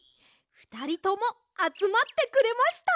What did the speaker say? ふたりともあつまってくれました。